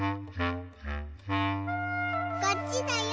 こっちだよ